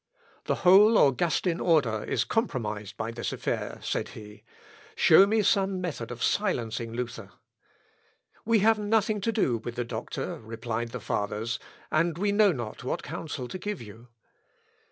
"The whole Augustin order is compromised by this affair," said he. "Show me some method of silencing Luther." "We have nothing to do with the doctor," replied the Fathers, "and we know not what counsel to give you."